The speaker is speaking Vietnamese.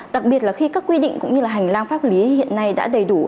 đặc biệt là khi các quy định cũng như là hành lang pháp lý hiện nay đã đầy đủ